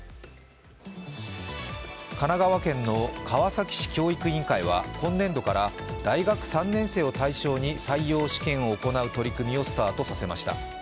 神奈川県の川崎市教育委員会は今年度から大学３年生を対象に採用試験を行う取り組みをスタートさせました。